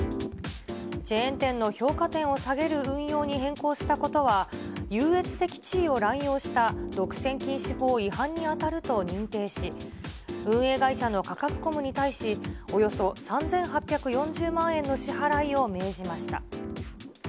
チェーン店の評価点を提げる運用に変更したことは、優越的地位を乱用した独占禁止法違反に当たると認定し、運営会社のカカクコムに対し、およそ３８４０万円の支払いを命じました。